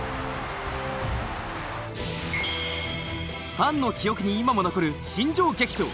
ファンの記憶に今も残る新庄劇場。